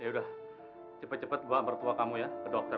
yaudah cepet cepet bawa bapak bapak kamu ya ke dokter